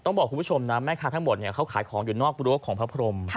บอกคุณผู้ชมนะแม่ค้าทั้งหมดเขาขายของอยู่นอกรั้วของพระพรม